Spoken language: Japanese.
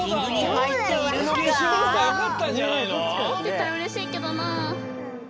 はいってたらうれしいけどな。